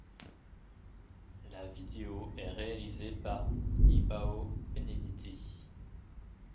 La vidéo est réalisée par Ybao Benedetti.